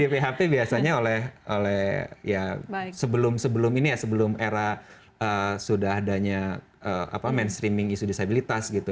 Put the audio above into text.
di php biasanya oleh ya sebelum era sudah adanya mainstreaming isu disabilitas gitu